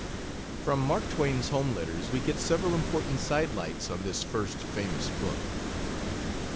From Mark Twain's home letters we get several important side lights on this first famous book.